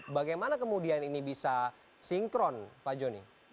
bagaimana kemudian ini bisa sinkron pak joni